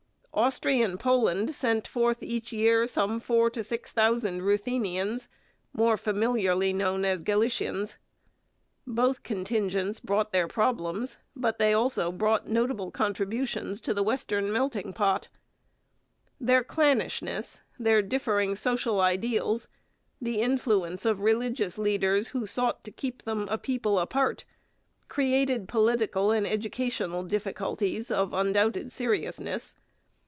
Austrian Poland sent forth each year some four to six thousand Ruthenians, more familiarly known as Galicians. Both contingents brought their problems, but they brought also notable contributions to the western melting pot. Their clannishness, their differing social ideals, the influence of religious leaders who sought to keep them a people apart, created political and educational difficulties of undoubted seriousness.